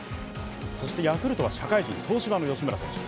そしてヤクルトは社会人、東芝の吉村選手。